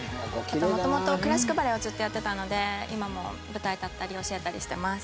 元々クラシックバレエをずっとやってたので今も舞台立ったり教えたりしてます。